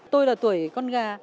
tôi là tuổi con gà